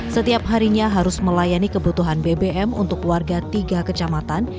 setiap harinya harus melayani kebutuhan bbm untuk warga tiga kecamatan